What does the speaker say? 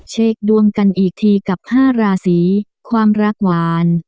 เช็คดวงกันอีกทีกับ๕ราศีความรักหวาน